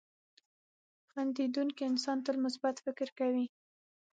• خندېدونکی انسان تل مثبت فکر کوي.